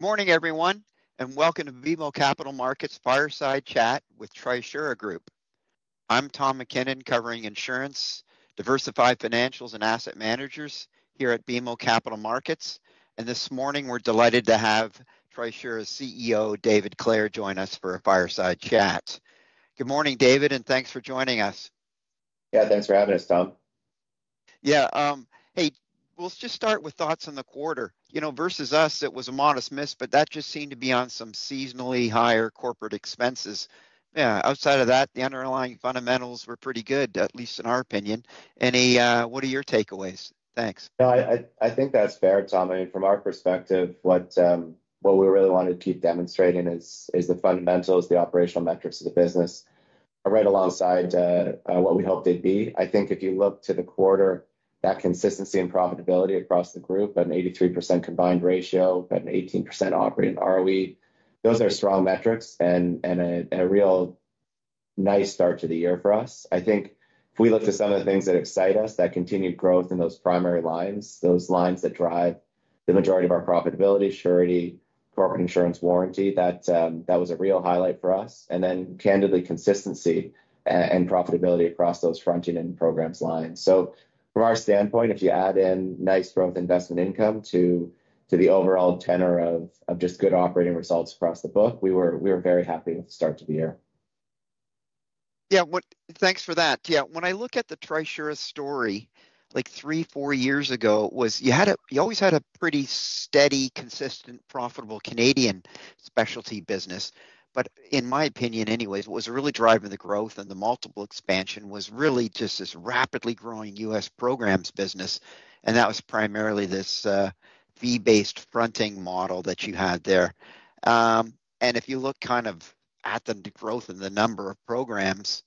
Morning, everyone, and welcome to BMO Capital Markets Fireside Chat with Trisura Group. I'm Tom MacKinnon, covering insurance, diversified financials, and asset managers here at BMO Capital Markets. This morning, we're delighted to have Trisura's CEO, David Clare, join us for a fireside chat. Good morning, David, and thanks for joining us. Yeah, thanks for having us, Tom. Yeah. Hey, let's just start with thoughts on the quarter. You know, versus us, it was a modest miss, but that just seemed to be on some seasonally higher corporate expenses. Yeah, outside of that, the underlying fundamentals were pretty good, at least in our opinion. What are your takeaways? Thanks. Yeah, I think that's fair, Tom. I mean, from our perspective, what we really wanted to keep demonstrating is the fundamentals, the operational metrics of the business, right alongside what we hope they'd be. I think if you look to the quarter, that consistency and profitability across the group, an 83% combined ratio, an 18% operating ROE, those are strong metrics and a real nice start to the year for us. I think if we look to some of the things that excite us, that continued growth in those primary lines, those lines that drive the majority of our profitability, surety, corporate insurance, warranty, that was a real highlight for us. And then, candidly, consistency and profitability across those fronting and programs lines. From our standpoint, if you add in nice growth investment income to the overall tenor of just good operating results across the book, we were very happy with the start to the year. Yeah, thanks for that. Yeah, when I look at the Trisura story, like three, four years ago, you always had a pretty steady, consistent, profitable Canadian specialty business. In my opinion anyways, what was really driving the growth and the multiple expansion was really just this rapidly growing U.S., programs business. That was primarily this fee-based fronting model that you had there. If you look kind of at the growth and the number of programs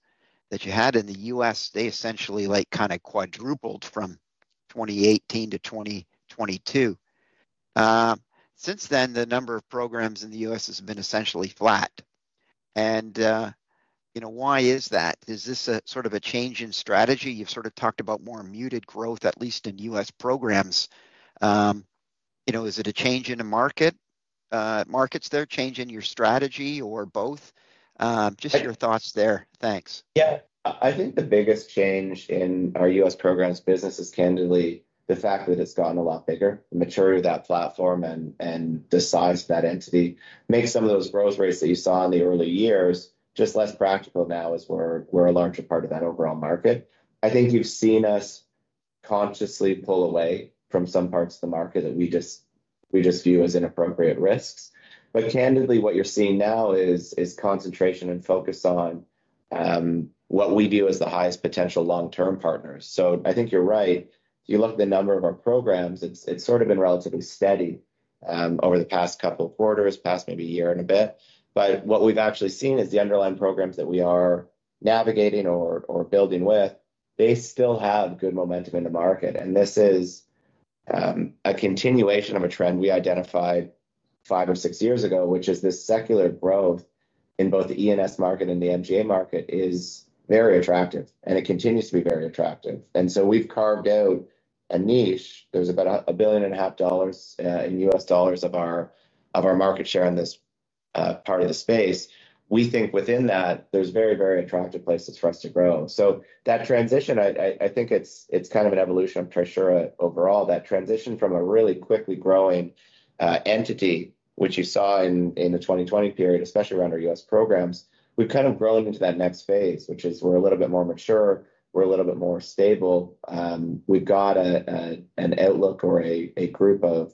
that you had in the U.S., they essentially kind of quadrupled from 2018 to 2022. Since then, the number of programs in the U.S., has been essentially flat. Why is that? Is this sort of a change in strategy? You've sort of talked about more muted growth, at least in U.S., programs. Is it a change in the markets there, change in your strategy, or both? Just your thoughts there. Thanks. Yeah, I think the biggest change in our U.S., programs business is, candidly, the fact that it's gotten a lot bigger. The maturity of that platform and the size of that entity makes some of those growth rates that you saw in the early years just less practical now as we're a larger part of that overall market. I think you've seen us consciously pull away from some parts of the market that we just view as inappropriate risks. Candidly, what you're seeing now is concentration and focus on what we view as the highest potential long-term partners. I think you're right. If you look at the number of our programs, it's sort of been relatively steady over the past couple of quarters, past maybe a year and a bit. What we've actually seen is the underlying programs that we are navigating or building with, they still have good momentum in the market. This is a continuation of a trend we identified five or six years ago, which is this secular growth in both the E&S market and the MGA market is very attractive, and it continues to be very attractive. We've carved out a niche. There's about $1.5 billion in U.S., dollars of our market share in this part of the space. We think within that, there's very, very attractive places for us to grow. That transition, I think it's kind of an evolution of Trisura overall. That transition from a really quickly growing entity, which you saw in the 2020 period, especially around our U.S. Programs, we've kind of grown into that next phase, which is we're a little bit more mature, we're a little bit more stable. We've got an outlook or a group of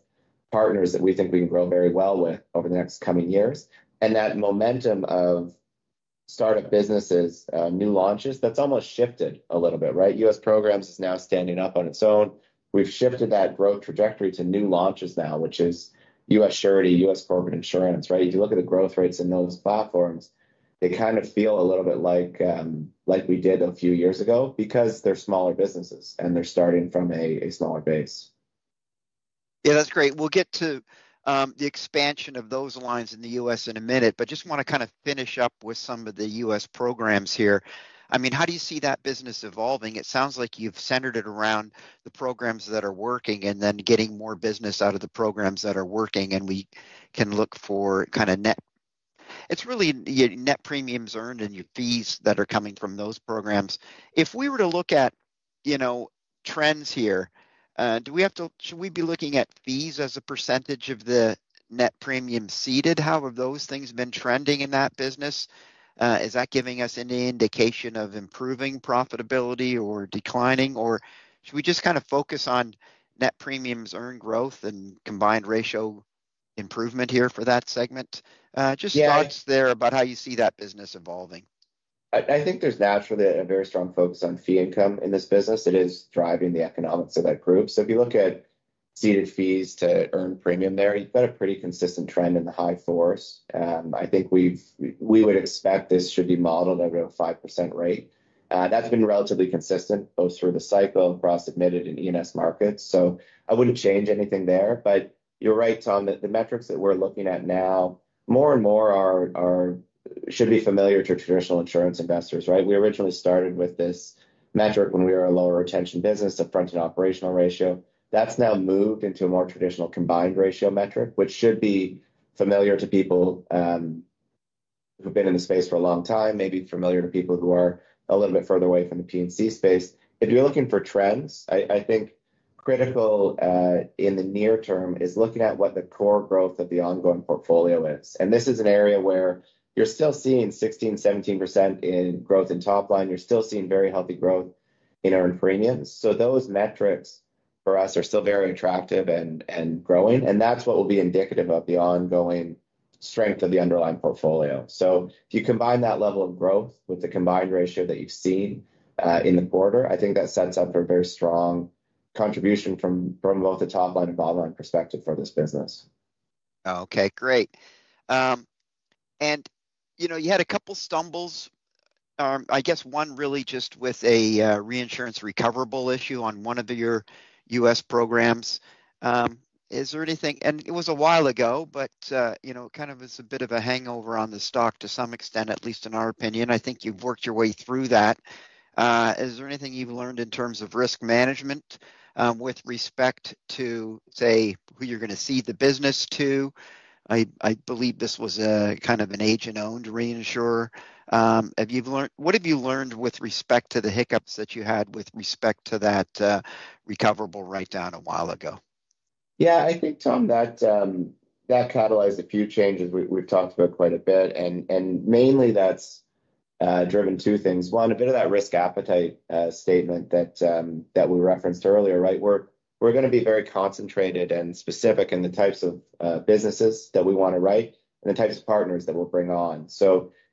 partners that we think we can grow very well with over the next coming years. That momentum of startup businesses, new launches, that's almost shifted a little bit, right? U.S., programs is now standing up on its own. We've shifted that growth trajectory to new launches now, which is U.S., surety, U.S., corporate insurance, right? If you look at the growth rates in those platforms, they kind of feel a little bit like we did a few years ago because they're smaller businesses and they're starting from a smaller base. Yeah, that's great. We'll get to the expansion of those lines in the U.S. in a minute, but just want to kind of finish up with some of the U.S., programs here. I mean, how do you see that business evolving? It sounds like you've centered it around the programs that are working and then getting more business out of the programs that are working. We can look for kind of net, it's really net premiums earned and your fees that are coming from those programs. If we were to look at trends here, do we have to, should we be looking at fees as a percentage of the net premium ceded? How have those things been trending in that business? Is that giving us any indication of improving profitability or declining? Or should we just kind of focus on net premiums earned growth and combined ratio improvement here for that segment? Just thoughts there about how you see that business evolving. I think there's naturally a very strong focus on fee income in this business. It is driving the economics of that group. If you look at ceded fees to earned premium there, you've got a pretty consistent trend in the high fours. I think we would expect this should be modeled at a 5% rate. That's been relatively consistent both through the cycle across admitted and E&S markets. I wouldn't change anything there. You're right, Tom, that the metrics that we're looking at now more and more should be familiar to traditional insurance investors, right? We originally started with this metric when we were a lower retention business, a front-end operational ratio. That's now moved into a more traditional combined ratio metric, which should be familiar to people who've been in the space for a long time, maybe familiar to people who are a little bit further away from the P&C space. If you're looking for trends, I think critical in the near term is looking at what the core growth of the ongoing portfolio is. This is an area where you're still seeing 16%-17% in growth in top line. You're still seeing very healthy growth in earned premiums. Those metrics for us are still very attractive and growing. That's what will be indicative of the ongoing strength of the underlying portfolio. If you combine that level of growth with the combined ratio that you've seen in the quarter, I think that sets up for a very strong contribution from both the top line and bottom line perspective for this business. Okay, great. You had a couple of stumbles. I guess one really just with a reinsurance recoverable issue on one of your U.S., programs. Is there anything, and it was a while ago, but kind of it's a bit of a hangover on the stock to some extent, at least in our opinion. I think you've worked your way through that. Is there anything you've learned in terms of risk management with respect to, say, who you're going to cede the business to? I believe this was kind of an agent-owned reinsurer. What have you learned with respect to the hiccups that you had with respect to that recoverable write-down a while ago? Yeah, I think, Tom, that catalyzed a few changes we've talked about quite a bit. Mainly, that's driven two things. One, a bit of that risk appetite statement that we referenced earlier, right? We're going to be very concentrated and specific in the types of businesses that we want to write and the types of partners that we'll bring on.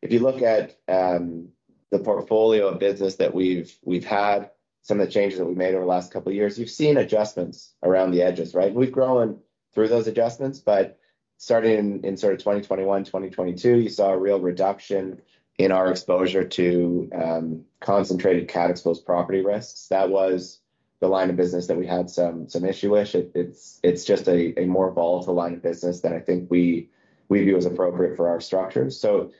If you look at the portfolio of business that we've had, some of the changes that we've made over the last couple of years, you've seen adjustments around the edges, right? We've grown through those adjustments, but starting in sort of 2021, 2022, you saw a real reduction in our exposure to concentrated CAT exposed property risks. That was the line of business that we had some issue with. It's just a more volatile line of business that I think we view as appropriate for our structure.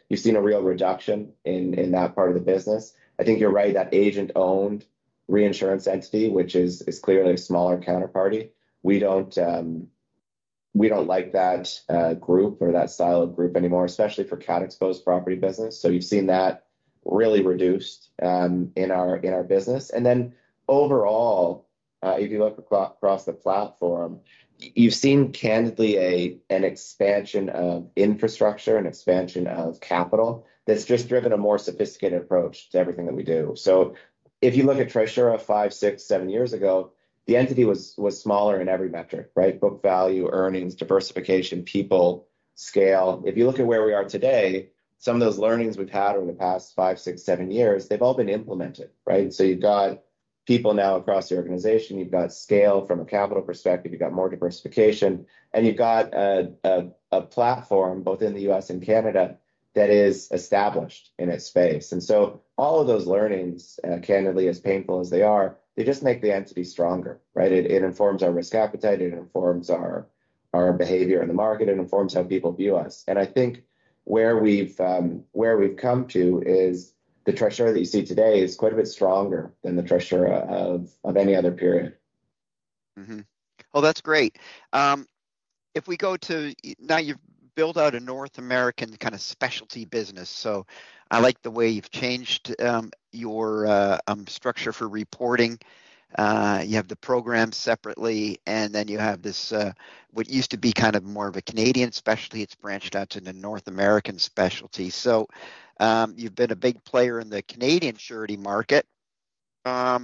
You've seen a real reduction in that part of the business. I think you're right, that agent-owned reinsurance entity, which is clearly a smaller counterparty. We don't like that group or that style of group anymore, especially for CAT exposed property business. You've seen that really reduced in our business. Overall, if you look across the platform, you've seen, candidly, an expansion of infrastructure, an expansion of capital that's just driven a more sophisticated approach to everything that we do. If you look at Trisura five, six, seven years ago, the entity was smaller in every metric, right? Book value, earnings, diversification, people, scale. If you look at where we are today, some of those learnings we've had over the past five, six, seven years, they've all been implemented, right? You've got people now across the organization, you've got scale from a capital perspective, you've got more diversification, and you've got a platform both in the U.S., and Canada that is established in its space. All of those learnings, candidly, as painful as they are, they just make the entity stronger, right? It informs our risk appetite, it informs our behavior in the market, it informs how people view us. I think where we've come to is the Trisura that you see today is quite a bit stronger than the Trisura of any other period. Oh, that's great. If we go to now, you've built out a North American kind of specialty business. I like the way you've changed your structure for reporting. You have the programs separately, and then you have this, what used to be kind of more of a Canadian specialty, it's branched out to the North American specialty. You've been a big player in the Canadian surety market. How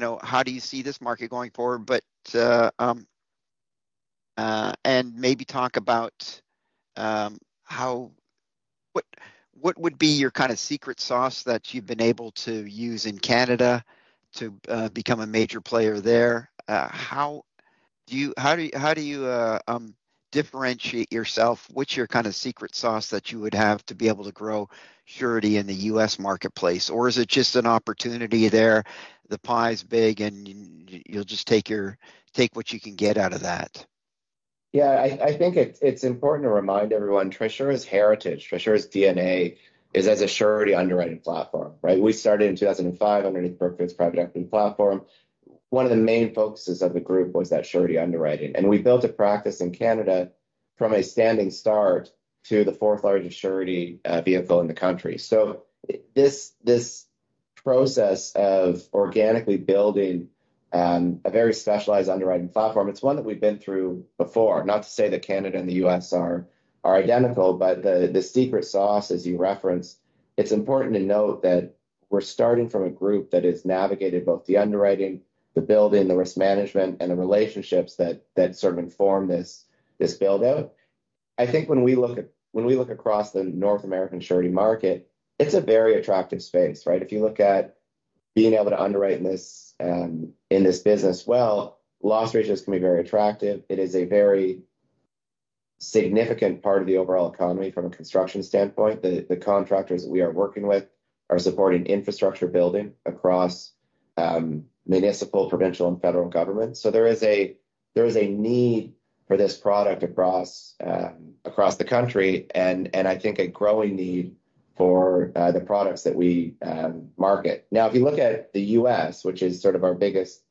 do you see this market going forward? Maybe talk about what would be your kind of secret sauce that you've been able to use in Canada to become a major player there. How do you differentiate yourself? What's your kind of secret sauce that you would have to be able to grow surety in the U.S., marketplace? Is it just an opportunity there? The pie's big and you'll just take what you can get out of that. Yeah, I think it's important to remind everyone, Trisura's heritage, Trisura's DNA is as a surety underwriting platform, right? We started in 2005 underneath Brookfield's private equity platform. One of the main focuses of the group was that surety underwriting. We built a practice in Canada from a standing start to the fourth largest surety vehicle in the country. This process of organically building a very specialized underwriting platform, it's one that we've been through before. Not to say that Canada and the U.S., are identical, but the secret sauce, as you referenced, it's important to note that we're starting from a group that has navigated both the underwriting, the building, the risk management, and the relationships that sort of inform this build-out. I think when we look across the North American surety market, it's a very attractive space, right? If you look at being able to underwrite in this business well, loss ratios can be very attractive. It is a very significant part of the overall economy from a construction standpoint. The contractors that we are working with are supporting infrastructure building across municipal, provincial, and federal governments. There is a need for this product across the country and I think a growing need for the products that we market. Now, if you look at the U.S., which is sort of our biggest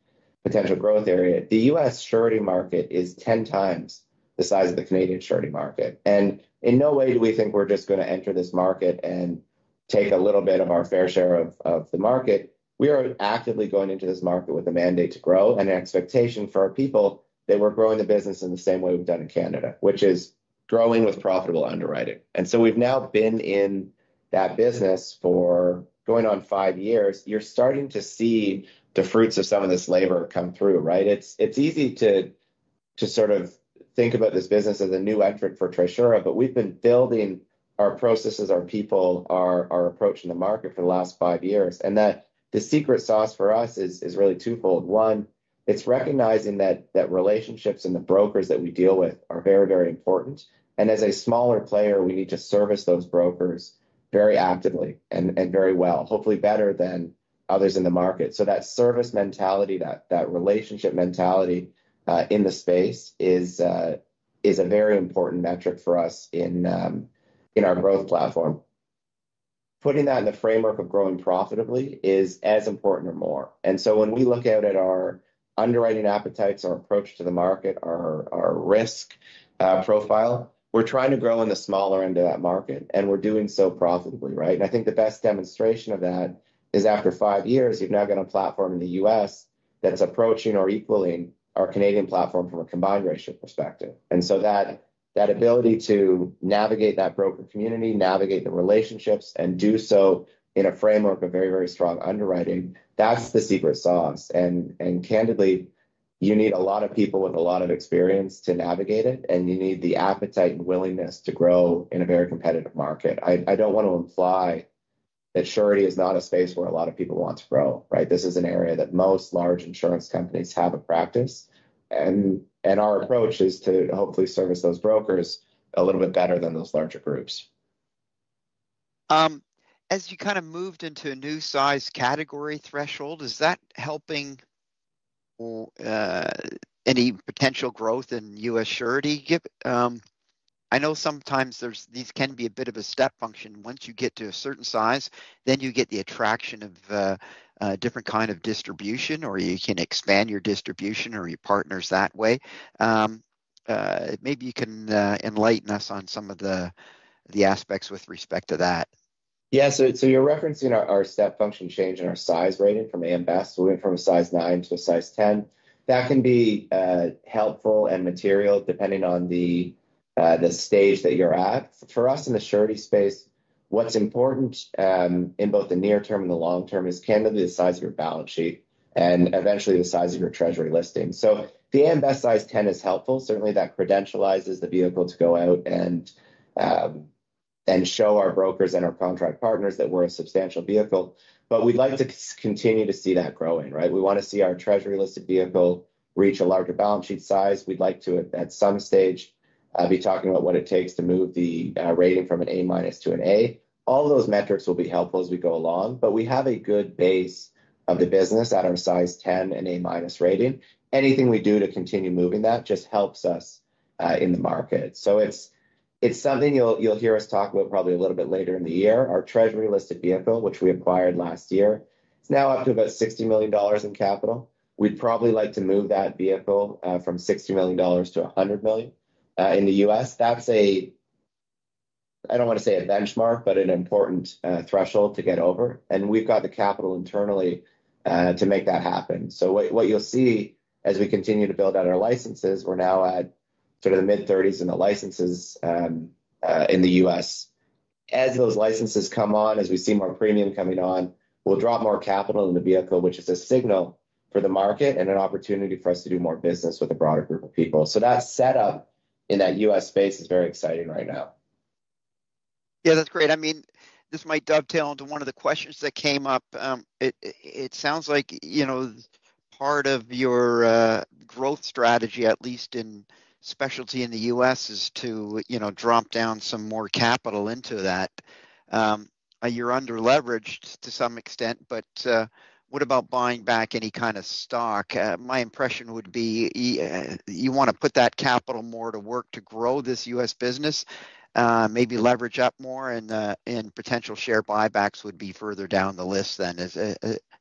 potential growth area, the U.S., surety market is 10 times the size of the Canadian surety market. In no way do we think we're just going to enter this market and take a little bit of our fair share of the market. We are actively going into this market with a mandate to grow and an expectation for our people that we're growing the business in the same way we've done in Canada, which is growing with profitable underwriting. We have now been in that business for going on five years. You're starting to see the fruits of some of this labor come through, right? It's easy to sort of think about this business as a new entrant for Trisura, but we've been building our processes, our people, our approach in the market for the last five years. The secret sauce for us is really twofold. One, it's recognizing that relationships and the brokers that we deal with are very, very important. As a smaller player, we need to service those brokers very actively and very well, hopefully better than others in the market. That service mentality, that relationship mentality in the space is a very important metric for us in our growth platform. Putting that in the framework of growing profitably is as important or more. When we look at our underwriting appetites, our approach to the market, our risk profile, we're trying to grow in the smaller end of that market and we're doing so profitably, right? I think the best demonstration of that is after five years, you've now got a platform in the U.S., that's approaching or equaling our Canadian platform from a combined ratio perspective. That ability to navigate that broker community, navigate the relationships, and do so in a framework of very, very strong underwriting, that's the secret sauce. Candidly, you need a lot of people with a lot of experience to navigate it, and you need the appetite and willingness to grow in a very competitive market. I do not want to imply that surety is not a space where a lot of people want to grow, right? This is an area that most large insurance companies have a practice. Our approach is to hopefully service those brokers a little bit better than those larger groups. As you kind of moved into a new size category threshold, is that helping any potential growth in U.S., surety? I know sometimes these can be a bit of a step function. Once you get to a certain size, then you get the attraction of different kinds of distribution, or you can expand your distribution or your partners that way. Maybe you can enlighten us on some of the aspects with respect to that. Yeah, so you're referencing our step function change in our size rating from AM Best. We went from a size 9 to a size 10. That can be helpful and material depending on the stage that you're at. For us in the surety space, what's important in both the near term and the long term is candidly the size of your balance sheet and eventually the size of your treasury listing. The AM Best size 10 is helpful. Certainly, that credentializes the vehicle to go out and show our brokers and our contract partners that we're a substantial vehicle. We'd like to continue to see that growing, right? We want to see our treasury listed vehicle reach a larger balance sheet size. We'd like to, at some stage, be talking about what it takes to move the rating from an A - to an A. All those metrics will be helpful as we go along, but we have a good base of the business at our size 10 and A- rating. Anything we do to continue moving that just helps us in the market. It's something you'll hear us talk about probably a little bit later in the year. Our treasury listed vehicle, which we acquired last year, is now up to about $60 million in capital. We'd probably like to move that vehicle from $60 million to $100 million in the U.S. That's a, I don't want to say a benchmark, but an important threshold to get over. We've got the capital internally to make that happen. What you'll see as we continue to build out our licenses, we're now at sort of the mid-30s in the licenses in the U.S. As those licenses come on, as we see more premium coming on, we'll drop more capital in the vehicle, which is a signal for the market and an opportunity for us to do more business with a broader group of people. That setup in that U.S. space is very exciting right now. Yeah, that's great. I mean, this might dovetail into one of the questions that came up. It sounds like part of your growth strategy, at least in specialty in the U.S., is to drop down some more capital into that. You're underleveraged to some extent, but what about buying back any kind of stock? My impression would be you want to put that capital more to work to grow this U.S., business, maybe leverage up more, and potential share buybacks would be further down the list then.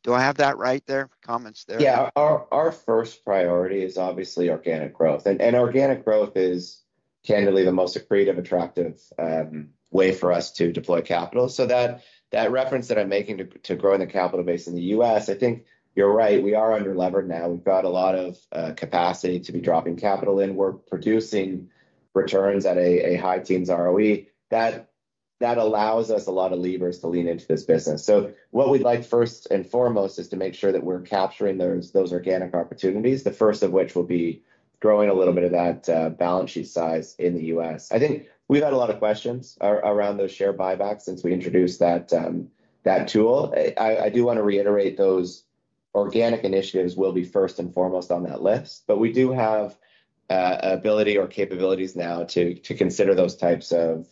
Do I have that right there? Comments there? Yeah, our first priority is obviously organic growth. Organic growth is candidly the most creative, attractive way for us to deploy capital. That reference that I am making to growing the capital base in the U.S., I think you are right. We are underleveraged now. We have got a lot of capacity to be dropping capital in. We are producing returns at a high teens ROE. That allows us a lot of levers to lean into this business. What we would like first and foremost is to make sure that we are capturing those organic opportunities, the first of which will be growing a little bit of that balance sheet size in the U.S. I think we have had a lot of questions around those share buybacks since we introduced that tool. I do want to reiterate those organic initiatives will be first and foremost on that list, but we do have ability or capabilities now to consider those types of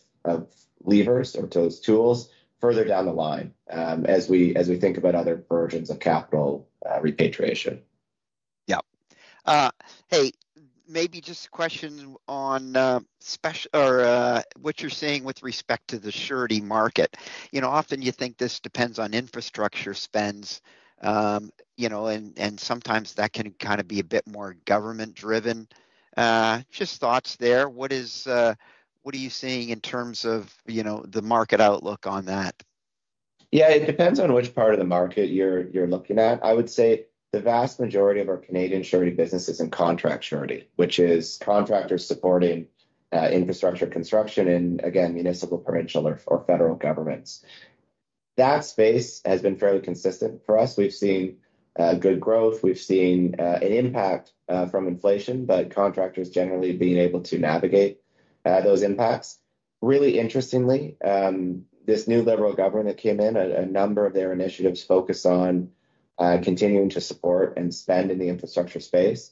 levers or those tools further down the line as we think about other versions of capital repatriation. Yeah. Hey, maybe just a question on what you're seeing with respect to the surety market. You know, often you think this depends on infrastructure spends, and sometimes that can kind of be a bit more government-driven. Just thoughts there. What are you seeing in terms of the market outlook on that? Yeah, it depends on which part of the market you're looking at. I would say the vast majority of our Canadian surety business is in contract surety, which is contractors supporting infrastructure construction in, again, municipal, provincial, or federal governments. That space has been fairly consistent for us. We've seen good growth. We've seen an impact from inflation, but contractors generally being able to navigate those impacts. Really interestingly, this new Liberal government that came in, a number of their initiatives focus on continuing to support and spend in the infrastructure space.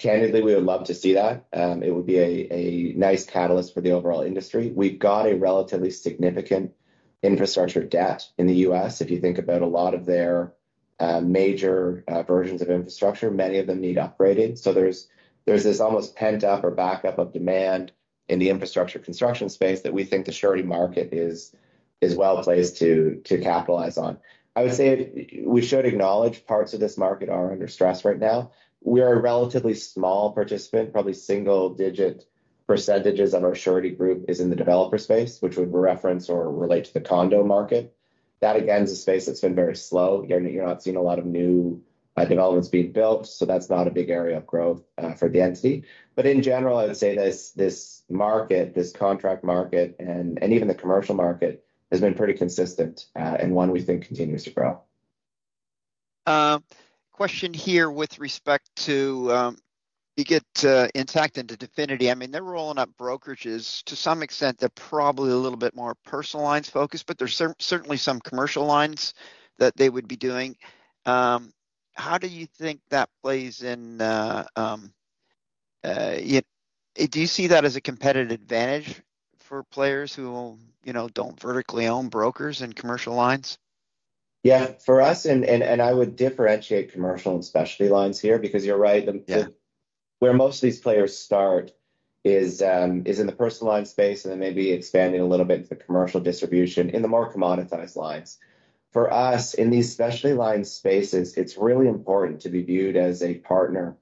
Candidly, we would love to see that. It would be a nice catalyst for the overall industry. We've got a relatively significant infrastructure debt in the U.S. If you think about a lot of their major versions of infrastructure, many of them need upgrading. There's this almost pent-up or backup of demand in the infrastructure construction space that we think the surety market is well placed to capitalize on. I would say we should acknowledge parts of this market are under stress right now. We are a relatively small participant, probably single-digit percentages of our surety group is in the developer space, which would reference or relate to the condo market. That, again, is a space that's been very slow. You're not seeing a lot of new developments being built. That's not a big area of growth for the entity. In general, I would say this market, this contract market, and even the commercial market has been pretty consistent and one we think continues to grow. Question here with respect to you get Intact into Divinity. I mean, they're rolling up brokerages to some extent that probably a little bit more personal lines focus, but there's certainly some commercial lines that they would be doing. How do you think that plays in? Do you see that as a competitive advantage for players who don't vertically own brokers and commercial lines? Yeah, for us, and I would differentiate commercial and specialty lines here because you're right. Where most of these players start is in the personal line space and then maybe expanding a little bit into the commercial distribution in the more commoditized lines. For us, in these specialty line spaces, it's really important to be viewed as a partner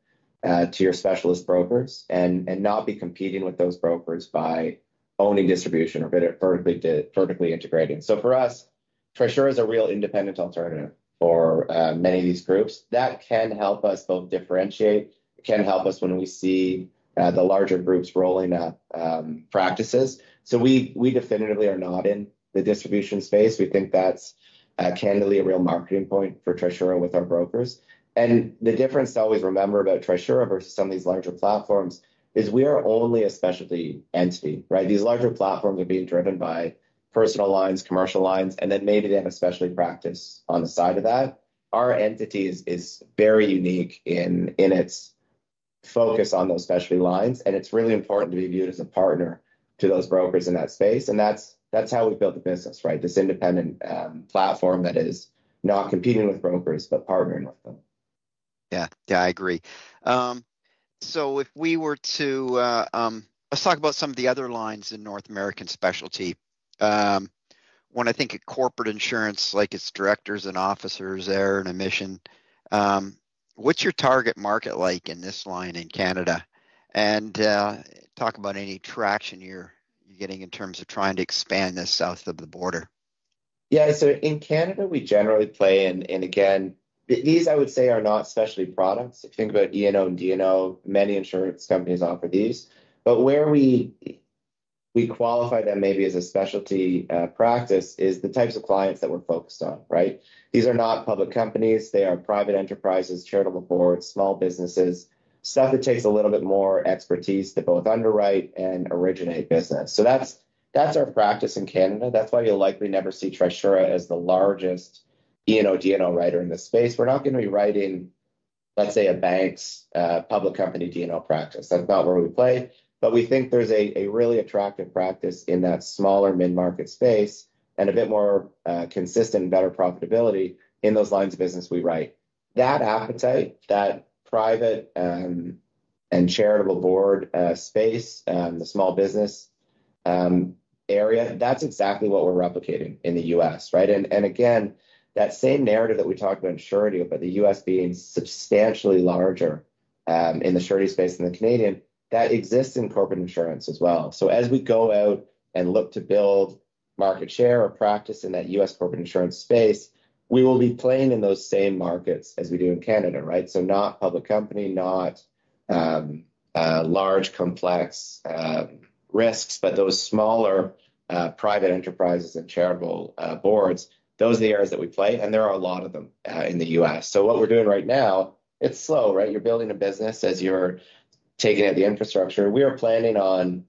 to your specialist brokers and not be competing with those brokers by owning distribution or vertically integrating. For us, Trisura is a real independent alternative for many of these groups. That can help us both differentiate. It can help us when we see the larger groups rolling up practices. We definitively are not in the distribution space. We think that's candidly a real marketing point for Trisura with our brokers. The difference to always remember about Trisura versus some of these larger platforms is we are only a specialty entity, right? These larger platforms are being driven by personal lines, commercial lines, and then maybe they have a specialty practice on the side of that. Our entity is very unique in its focus on those specialty lines, and it is really important to be viewed as a partner to those brokers in that space. That is how we built the business, right? This independent platform that is not competing with brokers, but partnering with them. Yeah, yeah, I agree. If we were to, let's talk about some of the other lines in North American specialty. When I think of corporate insurance, like its directors and officers there and admission, what's your target market like in this line in Canada? Talk about any traction you're getting in terms of trying to expand this south of the border. Yeah, so in Canada, we generally play, and again, these I would say are not specialty products. If you think about E&O and D&O, many insurance companies offer these. Where we qualify them maybe as a specialty practice is the types of clients that we're focused on, right? These are not public companies. They are private enterprises, charitable boards, small businesses, stuff that takes a little bit more expertise to both underwrite and originate business. That's our practice in Canada. That's why you'll likely never see Trisura as the largest E&O, D&O writer in the space. We're not going to be writing, let's say, a bank's public company D&O practice. That's not where we play. We think there's a really attractive practice in that smaller mid-market space and a bit more consistent and better profitability in those lines of business we write. That appetite, that private and charitable board space, the small business area, that's exactly what we're replicating in the U.S., right? Again, that same narrative that we talked about in surety, but the U.S., being substantially larger in the surety space than the Canadian, that exists in corporate insurance as well. As we go out and look to build market share or practice in that U.S., corporate insurance space, we will be playing in those same markets as we do in Canada, right? Not public company, not large complex risks, but those smaller private enterprises and charitable boards, those are the areas that we play, and there are a lot of them in the U.S. What we're doing right now, it's slow, right? You're building a business as you're taking out the infrastructure. We are planning on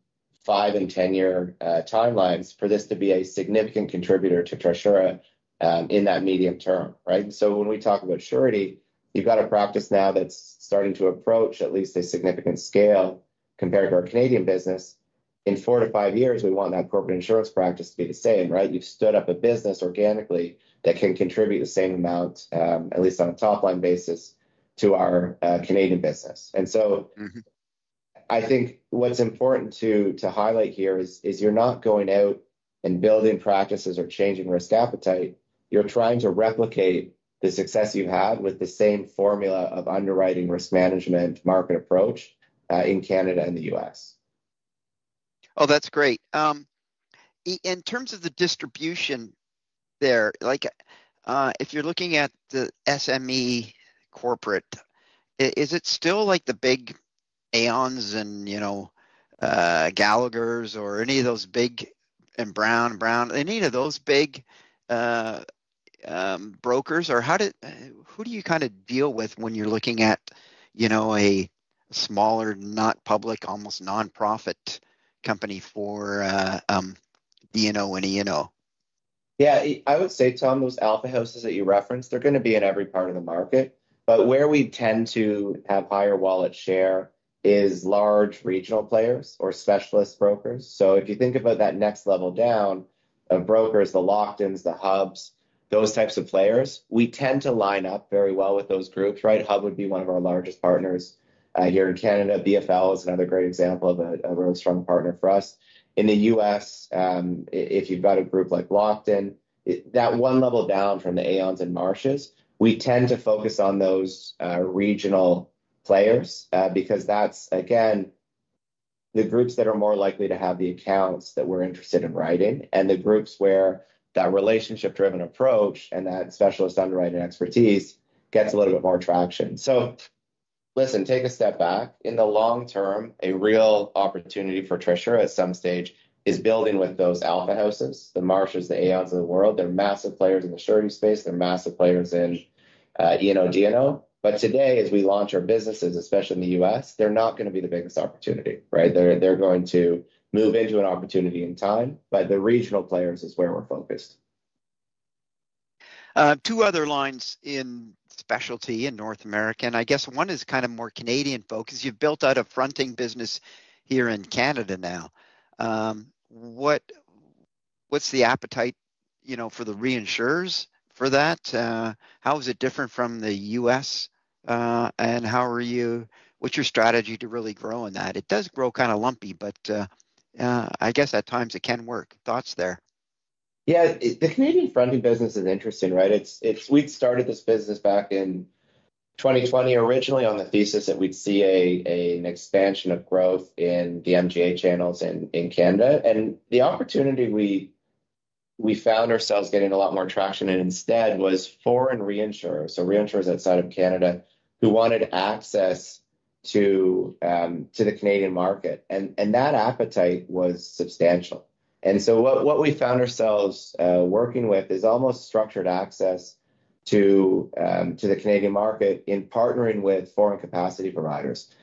five-year and ten-year timelines for this to be a significant contributor to Trisura in that medium term, right? When we talk about surety, you have got a practice now that is starting to approach at least a significant scale compared to our Canadian business. In four to five years, we want that corporate insurance practice to be the same, right? You have stood up a business organically that can contribute the same amount, at least on a top-line basis, to our Canadian business. I think what is important to highlight here is you are not going out and building practices or changing risk appetite. You are trying to replicate the success you had with the same formula of underwriting risk management market approach in Canada and the U.S. Oh, that's great. In terms of the distribution there, if you're looking at the SME corporate, is it still like the big Aon and Gallagher or any of those big and Brown & Brown? Any of those big brokers? Or who do you kind of deal with when you're looking at a smaller, not public, almost nonprofit company for D&O and E&O? Yeah, I would say some of those alpha houses that you referenced, they're going to be in every part of the market. Where we tend to have higher wallet share is large regional players or specialist brokers. If you think about that next level down of brokers, the Lockton, the Hub International, those types of players, we tend to line up very well with those groups, right? Hub would be one of our largest partners here in Canada. BFL Canada is another great example of a really strong partner for us. In the U.S., if you've got a group like Lockton, that one level down from the Aon and Marsh, we tend to focus on those regional players because that's, again, the groups that are more likely to have the accounts that we're interested in writing and the groups where that relationship-driven approach and that specialist underwriting expertise gets a little bit more traction. Listen, take a step back. In the long term, a real opportunity for Trisura at some stage is building with those alpha houses, the Marsh, the Aon of the world. They're massive players in the surety space. They're massive players in E&O, D&O. Today, as we launch our businesses, especially in the U.S., they're not going to be the biggest opportunity, right? They're going to move into an opportunity in time, but the regional players is where we're focused. Two other lines in specialty in North America. I guess one is kind of more Canadian focus. You've built out a fronting business here in Canada now. What's the appetite for the reinsurers for that? How is it different from the U.S.? What's your strategy to really grow in that? It does grow kind of lumpy, but I guess at times it can work. Thoughts there? Yeah, the Canadian fronting business is interesting, right? We started this business back in 2020 originally on the thesis that we'd see an expansion of growth in the MGA channels in Canada. The opportunity we found ourselves getting a lot more traction in instead was foreign reinsurers. Reinsurers outside of Canada who wanted access to the Canadian market. That appetite was substantial. What we found ourselves working with is almost structured access to the Canadian market in partnering with foreign capacity providers.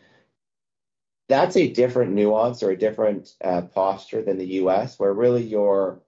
That is a different nuance or a different posture than the U.S., where really your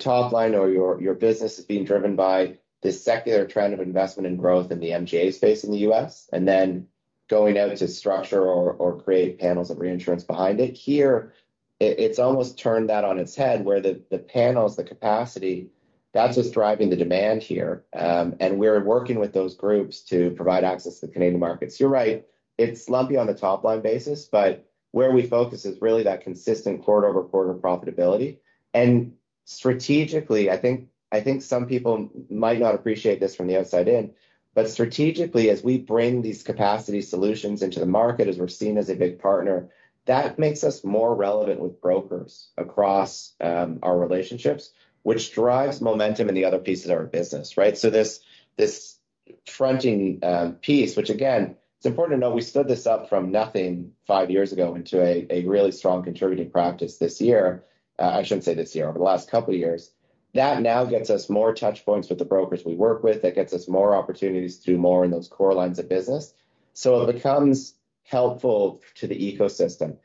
top line or your business is being driven by the secular trend of investment and growth in the MGA space in the U.S., and then going out to structure or create panels of reinsurance behind it. Here, it's almost turned that on its head where the panels, the capacity, that's what's driving the demand here. We're working with those groups to provide access to the Canadian markets. You're right. It's lumpy on the top-line basis, but where we focus is really that consistent quarter-over-quarter profitability. Strategically, I think some people might not appreciate this from the outside in, but strategically, as we bring these capacity solutions into the market, as we're seen as a big partner, that makes us more relevant with brokers across our relationships, which drives momentum in the other pieces of our business, right? This fronting piece, which again, it's important to know we stood this up from nothing five years ago into a really strong contributing practice this year. I shouldn't say this year, over the last couple of years. That now gets us more touch points with the brokers we work with. That gets us more opportunities to do more in those core lines of business. It becomes helpful to the ecosystem.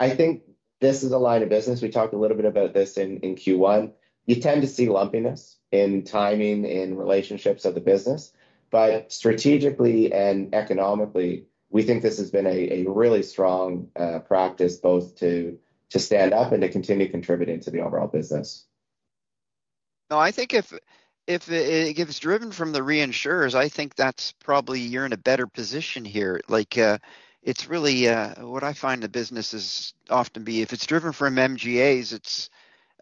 I think this is a line of business. We talked a little bit about this in Q1. You tend to see lumpiness in timing, in relationships of the business, but strategically and economically, we think this has been a really strong practice both to stand up and to continue contributing to the overall business. No, I think if it's driven from the reinsurers, I think that's probably you're in a better position here. It's really what I find the businesses often be. If it's driven from MGAs,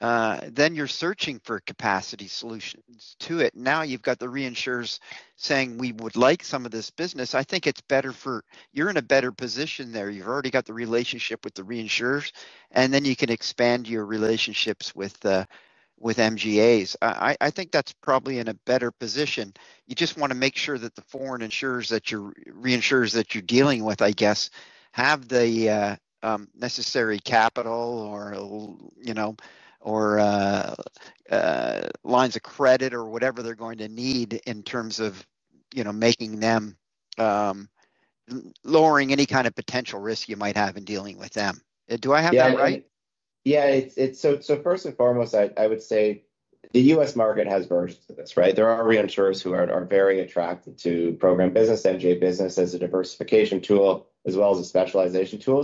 then you're searching for capacity solutions to it. Now you've got the reinsurers saying, "We would like some of this business." I think it's better for you're in a better position there. You've already got the relationship with the reinsurers, and then you can expand your relationships with MGAs. I think that's probably in a better position. You just want to make sure that the foreign insurers that you're dealing with, I guess, have the necessary capital or lines of credit or whatever they're going to need in terms of making them lowering any kind of potential risk you might have in dealing with them. Do I have that right? Yeah. First and foremost, I would say the U.S., market has versus this, right? There are reinsurers who are very attracted to program business, MGA business as a diversification tool, as well as a specialization tool.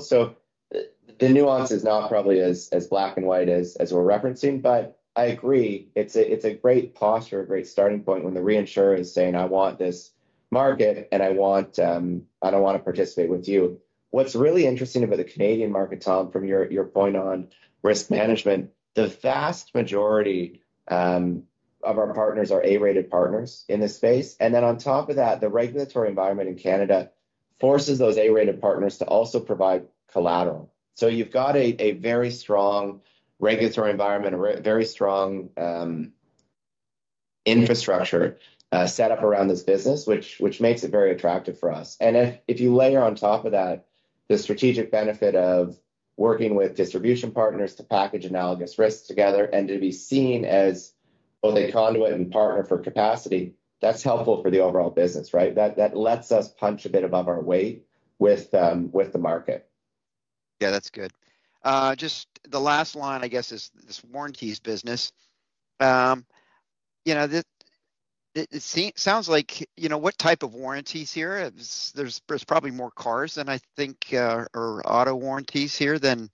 The nuance is not probably as black and white as we're referencing, but I agree. It's a great posture, a great starting point when the reinsurer is saying, "I want this market and I don't want to participate with you." What's really interesting about the Canadian market, Tom, from your point on risk management, the vast majority of our partners are A-rated partners in this space. On top of that, the regulatory environment in Canada forces those A-rated partners to also provide collateral. You have a very strong regulatory environment, a very strong infrastructure set up around this business, which makes it very attractive for us. If you layer on top of that the strategic benefit of working with distribution partners to package analogous risks together and to be seen as both a conduit and partner for capacity, that's helpful for the overall business, right? That lets us punch a bit above our weight with the market. Yeah, that's good. Just the last line, I guess, is this warranties business. It sounds like what type of warranties here? There's probably more cars than I think or auto warranties here than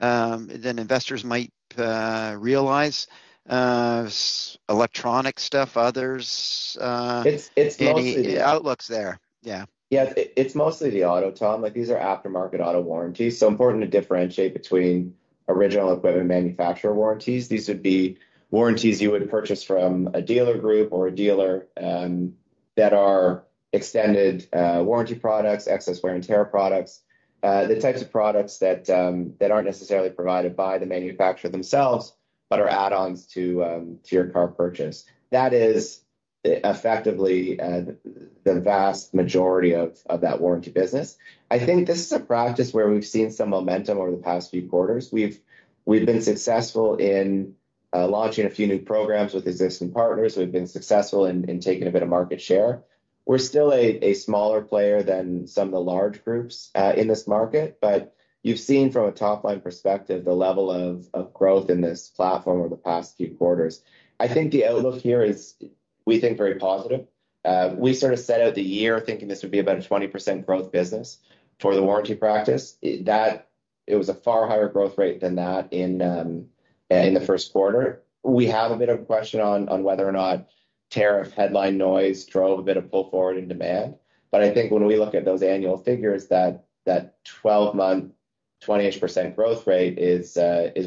investors might realize. Electronic stuff, others. It's mostly. Outlooks there. Yeah. Yeah, it's mostly the auto, Tom. These are aftermarket auto warranties. Important to differentiate between original equipment manufacturer warranties. These would be warranties you would purchase from a dealer group or a dealer that are extended warranty products, excess wear and tear products, the types of products that aren't necessarily provided by the manufacturer themselves, but are add-ons to your car purchase. That is effectively the vast majority of that warranty business. I think this is a practice where we've seen some momentum over the past few quarters. We've been successful in launching a few new programs with existing partners. We've been successful in taking a bit of market share. We're still a smaller player than some of the large groups in this market, but you've seen from a top-line perspective the level of growth in this platform over the past few quarters. I think the outlook here is, we think, very positive. We sort of set out the year thinking this would be about a 20% growth business for the warranty practice. It was a far higher growth rate than that in the first quarter. We have a bit of a question on whether or not tariff headline noise drove a bit of pull forward in demand. I think when we look at those annual figures, that 12-month 28%-growth rate is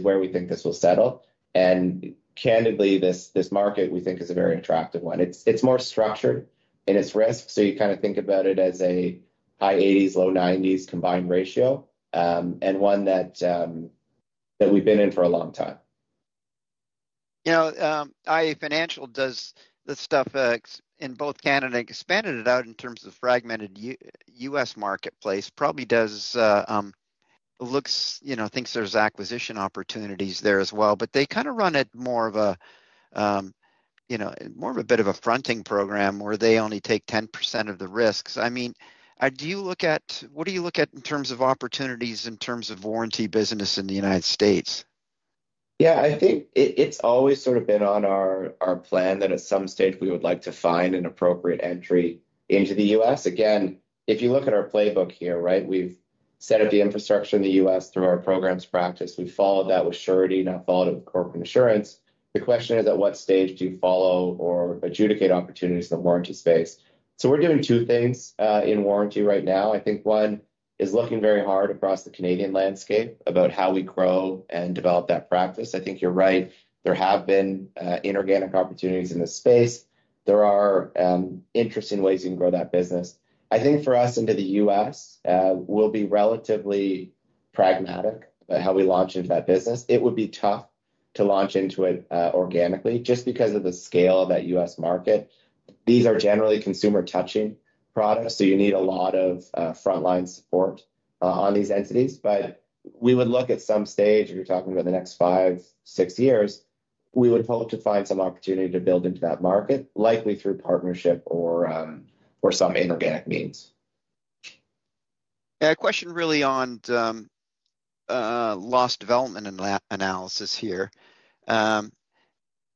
where we think this will settle. Candidly, this market we think is a very attractive one. It is more structured in its risk. You kind of think about it as a high 80s, low 90s combined ratio and one that we have been in for a long time. IA Financial does the stuff in both Canada and expanded it out in terms of the fragmented U.S., marketplace. Probably looks, thinks there's acquisition opportunities there as well, but they kind of run it more of a bit of a fronting program where they only take 10% of the risks. I mean, do you look at what do you look at in terms of opportunities in terms of warranty business in the United States? Yeah, I think it's always sort of been on our plan that at some stage we would like to find an appropriate entry into the U.S. Again, if you look at our playbook here, right, we've set up the infrastructure in the U.S., through our programs practice. We followed that with surety, now followed it with corporate insurance. The question is at what stage do you follow or adjudicate opportunities in the warranty space? We are doing two things in warranty right now. I think one is looking very hard across the Canadian landscape about how we grow and develop that practice. I think you're right. There have been inorganic opportunities in this space. There are interesting ways you can grow that business. I think for us into the U.S., we'll be relatively pragmatic about how we launch into that business. It would be tough to launch into it organically just because of the scale of that U.S., market. These are generally consumer-touching products. You need a lot of frontline support on these entities. We would look at some stage, if you're talking about the next five, six years, we would hope to find some opportunity to build into that market, likely through partnership or some inorganic means. A question really on loss development analysis here.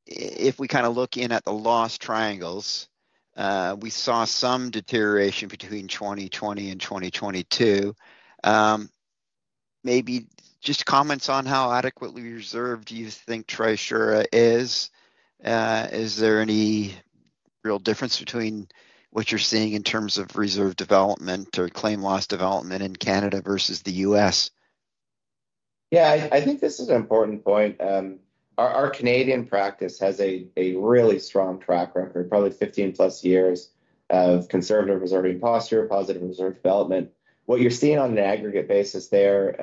If we kind of look in at the loss triangles, we saw some deterioration between 2020 and 2022. Maybe just comments on how adequately reserved you think Trisura is. Is there any real difference between what you're seeing in terms of reserve development or claim loss development in Canada versus the U.S.? Yeah, I think this is an important point. Our Canadian practice has a really strong track record, probably 15-plus years of conservative reserving posture, positive reserve development. What you're seeing on an aggregate basis there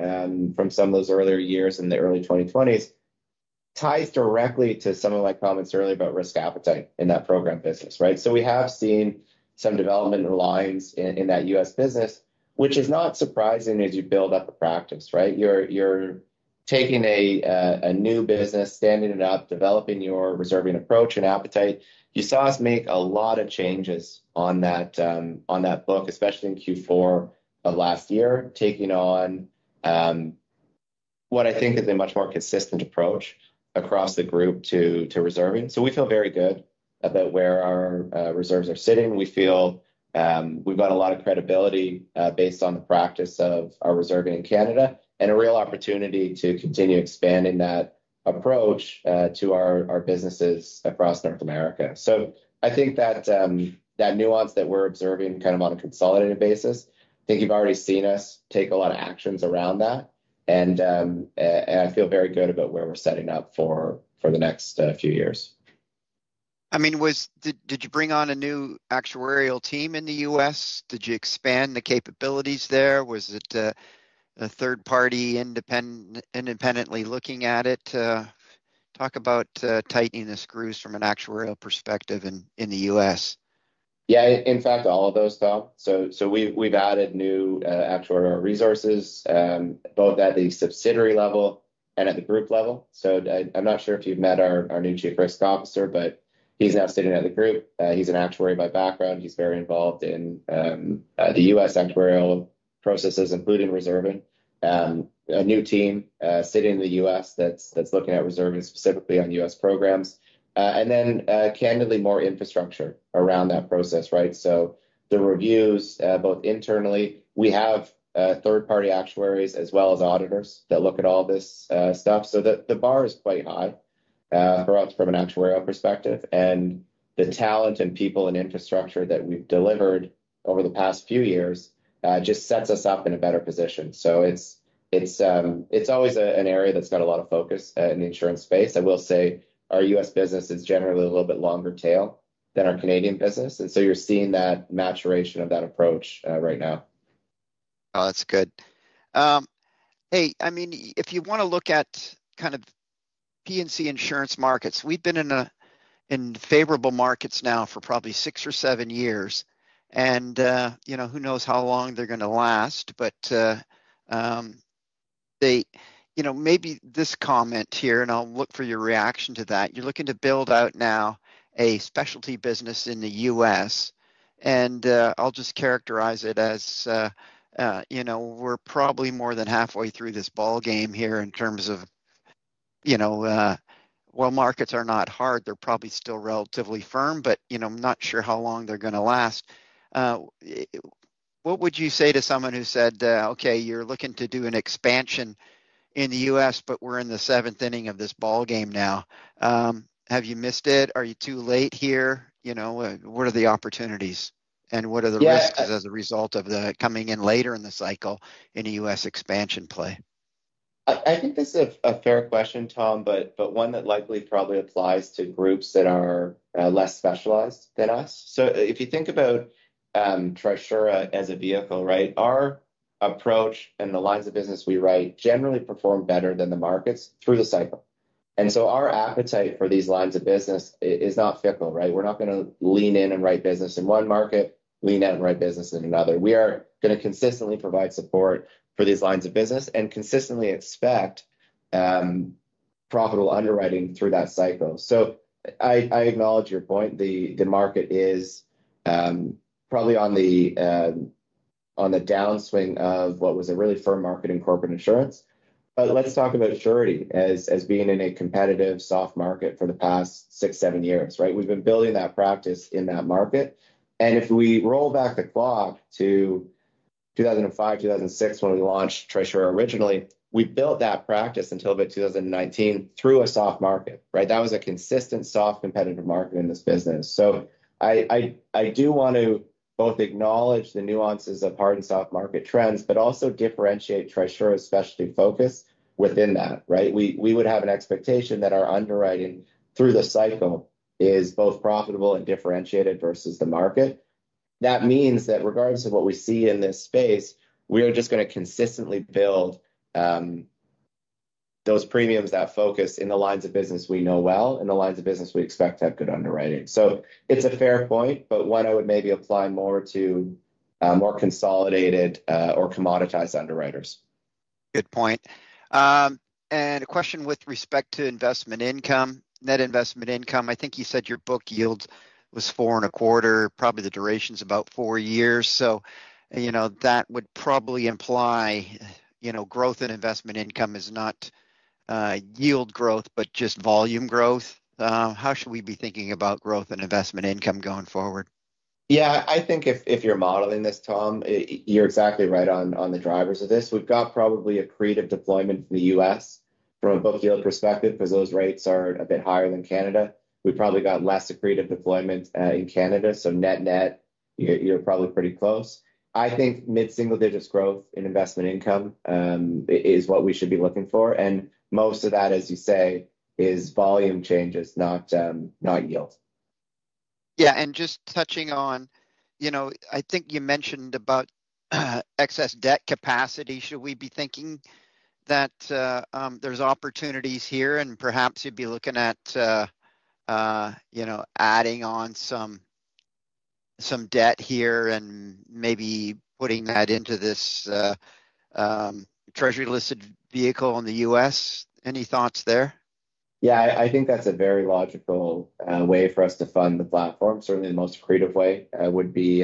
from some of those earlier years in the early 2020s ties directly to some of my comments earlier about risk appetite in that program business, right? We have seen some development lines in that U.S., business, which is not surprising as you build up a practice, right? You're taking a new business, standing it up, developing your reserving approach and appetite. You saw us make a lot of changes on that book, especially in Q4 last year, taking on what I think is a much more consistent approach across the group to reserving. We feel very good about where our reserves are sitting. We feel we've got a lot of credibility based on the practice of our reserving in Canada and a real opportunity to continue expanding that approach to our businesses across North America. I think that nuance that we're observing kind of on a consolidated basis, I think you've already seen us take a lot of actions around that. I feel very good about where we're setting up for the next few years. I mean, did you bring on a new actuarial team in the U.S.? Did you expand the capabilities there? Was it a third party independently looking at it? Talk about tightening the screws from an actuarial perspective in the U.S. Yeah, in fact, all of those, Tom. We've added new actuarial resources, both at the subsidiary level and at the group level. I'm not sure if you've met our new Chief Risk Officer, but he's now sitting at the group. He's an actuary by background. He's very involved in the U.S., actuarial processes, including reserving. A new team sitting in the U.S., that's looking at reserving specifically on U.S., programs. Then, candidly, more infrastructure around that process, right? The reviews, both internally, we have third-party actuaries as well as auditors that look at all this stuff. The bar is quite high for us from an actuarial perspective. The talent and people and infrastructure that we've delivered over the past few years just sets us up in a better position. It's always an area that's got a lot of focus in the insurance space. I will say our U.S., business is generally a little bit longer tail than our Canadian business. You are seeing that maturation of that approach right now. Oh, that's good. Hey, I mean, if you want to look at kind of P&C insurance markets, we've been in favorable markets now for probably six or seven years. Who knows how long they're going to last, but maybe this comment here, and I'll look for your reaction to that. You're looking to build out now a specialty business in the U.S. I'll just characterize it as we're probably more than halfway through this ballgame here in terms of, well, markets are not hard. They're probably still relatively firm, but I'm not sure how long they're going to last. What would you say to someone who said, "Okay, you're looking to do an expansion in the U.S., but we're in the seventh inning of this ballgame now. Have you missed it? Are you too late here? What are the opportunities? What are the risks as a result of coming in later in the cycle in a U.S., expansion play? I think this is a fair question, Tom, but one that likely probably applies to groups that are less specialized than us. If you think about Trisura as a vehicle, right, our approach and the lines of business we write generally perform better than the markets through the cycle. Our appetite for these lines of business is not fickle, right? We're not going to lean in and write business in one market, lean out and write business in another. We are going to consistently provide support for these lines of business and consistently expect profitable underwriting through that cycle. I acknowledge your point. The market is probably on the downswing of what was a really firm market in corporate insurance. Let's talk about surety as being in a competitive soft market for the past six, seven years, right? have been building that practice in that market. If we roll back the clock to 2005, 2006, when we launched Trisura originally, we built that practice until about 2019 through a soft market, right? That was a consistent soft competitive market in this business. I do want to both acknowledge the nuances of hard and soft market trends, but also differentiate Trisura's specialty focus within that, right? We would have an expectation that our underwriting through the cycle is both profitable and differentiated versus the market. That means that regardless of what we see in this space, we are just going to consistently build those premiums, that focus in the lines of business we know well, in the lines of business we expect to have good underwriting. It is a fair point, but one I would maybe apply more to more consolidated or commoditized underwriters. Good point. A question with respect to investment income, net investment income. I think you said your book yield was 4.25%. Probably the duration's about four years. That would probably imply growth in investment income is not yield growth, but just volume growth. How should we be thinking about growth in investment income going forward? Yeah, I think if you're modeling this, Tom, you're exactly right on the drivers of this. We've got probably accretive deployment in the U.S., from a book yield perspective because those rates are a bit higher than Canada. We've probably got less accretive deployment in Canada. Net net, you're probably pretty close. I think mid-single digits growth in investment income is what we should be looking for. Most of that, as you say, is volume changes, not yield. Yeah, and just touching on, I think you mentioned about excess debt capacity. Should we be thinking that there's opportunities here and perhaps you'd be looking at adding on some debt here and maybe putting that into this treasury-listed vehicle in the U.S.? Any thoughts there? Yeah, I think that's a very logical way for us to fund the platform. Certainly, the most accretive way would be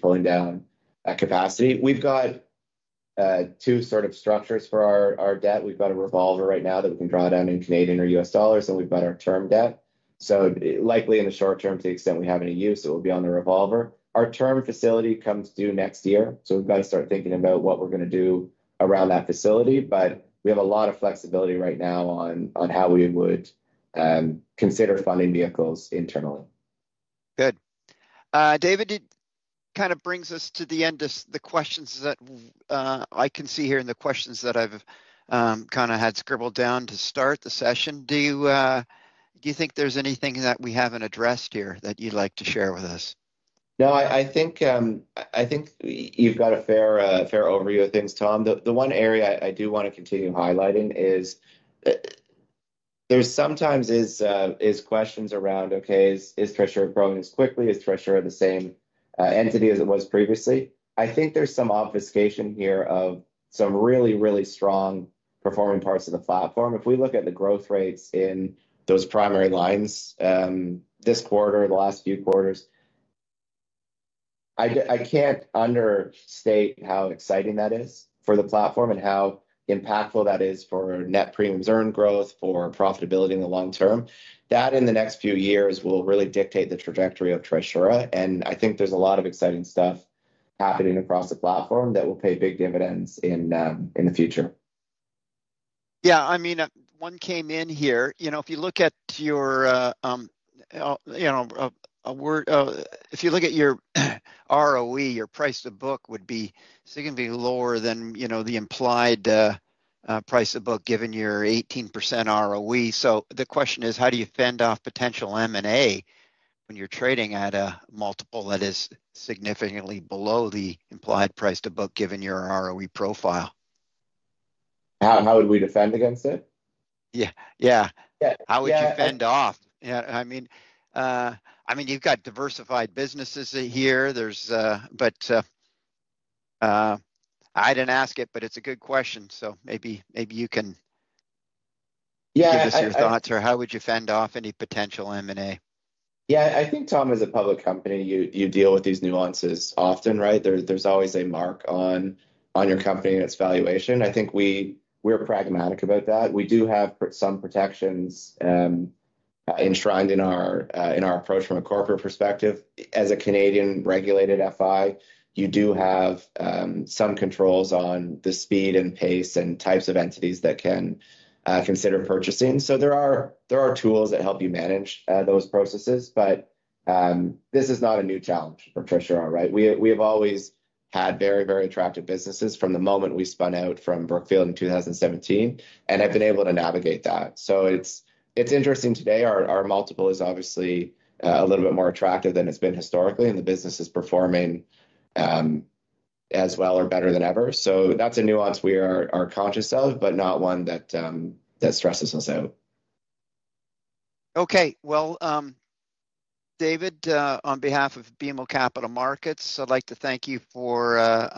pulling down that capacity. We've got two sort of structures for our debt. We've got a revolver right now that we can draw down in CAD or $U.S., and we've got our term debt. Likely in the short term, to the extent we have any use, it will be on the revolver. Our term facility comes due next year. We've got to start thinking about what we're going to do around that facility. We have a lot of flexibility right now on how we would consider funding vehicles internally. Good. David, it kind of brings us to the end of the questions that I can see here in the questions that I've kind of had scribbled down to start the session. Do you think there's anything that we haven't addressed here that you'd like to share with us? No, I think you've got a fair overview of things, Tom. The one area I do want to continue highlighting is there sometimes is questions around, okay, is Trisura growing as quickly? Is Trisura the same entity as it was previously? I think there's some obfuscation here of some really, really strong performing parts of the platform. If we look at the growth rates in those primary lines this quarter, the last few quarters, I can't understate how exciting that is for the platform and how impactful that is for net premiums earned growth, for profitability in the long term. That in the next few years will really dictate the trajectory of Trisura. I think there's a lot of exciting stuff happening across the platform that will pay big dividends in the future. Yeah, I mean, one came in here. If you look at your, if you look at your ROE, your price to book would be significantly lower than the implied price to book given your 18% ROE. The question is, how do you fend off potential M&A when you're trading at a multiple that is significantly below the implied price to book given your ROE profile? How would we defend against it? Yeah. Yeah. How would you fend off? I mean, I mean, you have got diversified businesses here, but I did not ask it, but it is a good question. Maybe you can give us your thoughts or how would you fend off any potential M&A? Yeah, I think Tom, as a public company, you deal with these nuances often, right? There's always a mark on your company and its valuation. I think we're pragmatic about that. We do have some protections enshrined in our approach from a corporate perspective. As a Canadian regulated FI, you do have some controls on the speed and pace and types of entities that can consider purchasing. There are tools that help you manage those processes, but this is not a new challenge for Trisura, right? We have always had very, very attractive businesses from the moment we spun out from Brookfield in 2017, and I've been able to navigate that. It's interesting today. Our multiple is obviously a little bit more attractive than it's been historically, and the business is performing as well or better than ever. That's a nuance we are conscious of, but not one that stresses us out. Okay. David, on behalf of BMO Capital Markets, I'd like to thank you for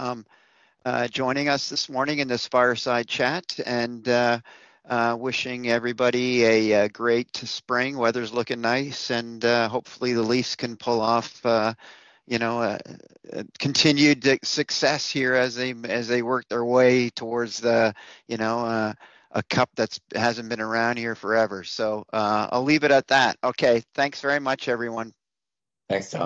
joining us this morning in this fireside chat and wishing everybody a great spring. Weather's looking nice, and hopefully the Leafs can pull off continued success here as they work their way towards a cup that hasn't been around here forever. I'll leave it at that. Okay. Thanks very much, everyone. Thanks, Tom.